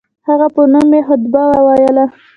هغه په نوم یې خطبه وویل.